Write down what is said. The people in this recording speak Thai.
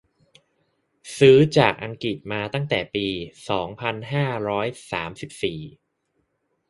ซื้อจากอังกฤษมาตั้งแต่ปี สองพันห้าร้อยสามสิบสี่